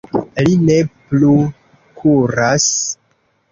Li ne plu kuras.